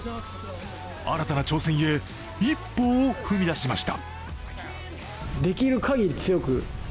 新たな挑戦へ一歩を踏み出しました。